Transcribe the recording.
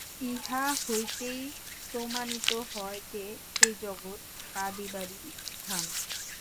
ইহা হইতেই প্রমাণিত হয় যে, এ জগৎ কাঁদিবারই স্থান।